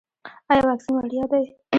ایا واکسین وړیا دی؟